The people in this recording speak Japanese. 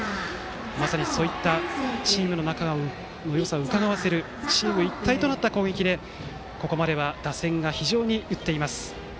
まさにそういったチームの仲のよさをうかがわせるチーム一体となった攻撃でここまでは打線が非常に打っています。